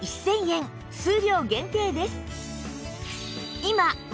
数量限定です